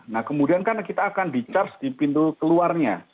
nah kemudian kan kita akan di charge di pintu keluarnya